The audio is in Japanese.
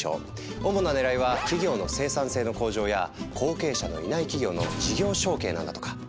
主なねらいは企業の生産性の向上や後継者のいない企業の事業承継なんだとか。